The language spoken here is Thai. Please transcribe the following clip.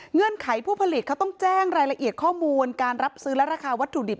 ไขผู้ผลิตเขาต้องแจ้งรายละเอียดข้อมูลการรับซื้อและราคาวัตถุดิบ